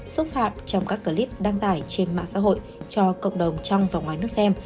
xúc phạm trong các clip đăng tải trên mạng xã hội cho cộng đồng trong và ngoài nước xem